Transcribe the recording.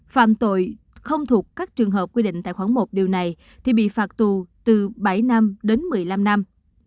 phạm tội không thuộc các trường hợp quy định tại khoảng một điều này thì bị phạt tù từ bảy năm đến một mươi năm năm